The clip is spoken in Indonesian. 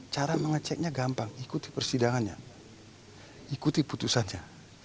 cara mengeceknya gampang ikuti persidangannya ikuti putusannya